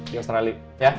di australia ya